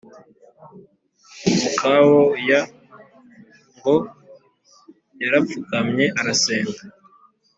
nakawooya ngo yarapfukamye arasenga